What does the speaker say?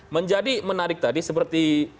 menjadi menarik tadi seperti